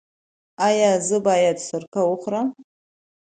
ایا زه باید سرکه وخورم؟